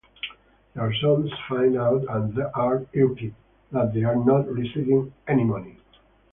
Their sons find out and are irked that they are not receiving any money.